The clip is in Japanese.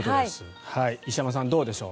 石山さん、どうでしょう。